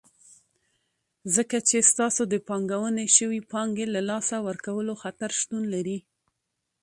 ځکه چې ستاسو د پانګونې شوي پانګې له لاسه ورکولو خطر شتون لري.